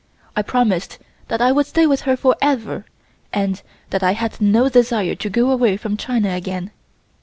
I promised that I would stay with her forever, and that I had no desire to go away from China again.